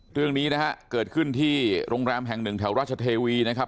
เรื่องนี้นะฮะเกิดขึ้นที่โรงแรมแห่งหนึ่งแถวราชเทวีนะครับ